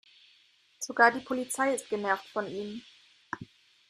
Sogar die Polizei ist genervt von ihm.